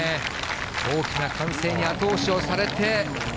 大きな歓声に後押しをされて。